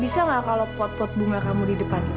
saya tunggu di dalam